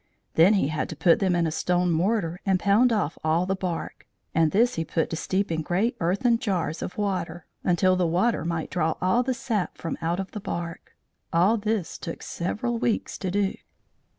Then he had to put them in a stone mortar and pound off all the bark; and this he put to steep in great earthen jars of water, until the water might draw all the sap from out the bark. All this took several weeks to do.